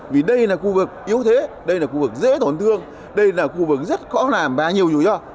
vì đây là khu vực yếu thế đây là khu vực dễ thổn thương đây là khu vực rất khó làm và nhiều nhiều do